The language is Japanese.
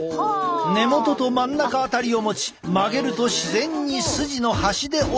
根元と真ん中辺りを持ち曲げると自然にスジの端で折れるという。